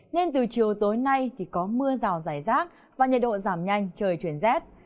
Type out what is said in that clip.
nên từ chiều tối nay thì có mưa rào rải rác và nhiệt độ giảm nhanh trời chuyển rét